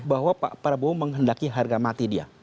bahwa pak prabowo menghendaki harga mati dia